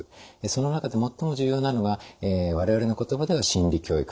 その中で最も重要なのが我々の言葉では心理教育。